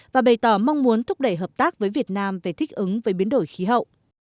và bày tỏ mong muốn thúc đẩy hợp tác với việt nam về thích ứng với biến đổi khí hậu